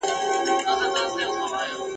ګیله له خپلو کېږي ..